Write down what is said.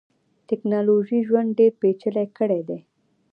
ټکنالوژۍ ژوند ډیر پېچلی کړیدی.